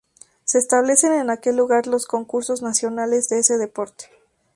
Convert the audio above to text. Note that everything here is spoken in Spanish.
Se establecen en aquel lugar los concursos nacionales de ese deporte.